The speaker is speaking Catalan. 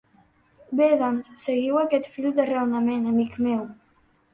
Bé, doncs, seguiu aquest fil de raonament, amic meu!